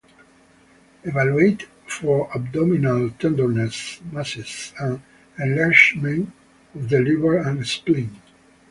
Evaluate for abdominal tenderness, masses, and enlargement of the liver and spleen.